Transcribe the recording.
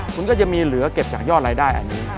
คุณก็จะมีเหลือเก็บจากยอดรายได้อันนี้